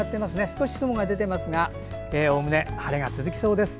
少し雲が出てますがおおむね晴れが続きそうです。